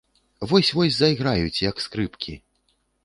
Вось-вось зайграюць, як скрыпкі.